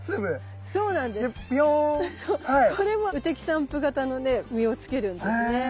これも雨滴散布型のね実をつけるんですね。